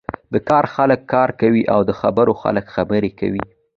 د کار خلک کار کوی او د خبرو خلک خبرې کوی.